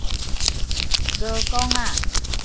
鵝管仔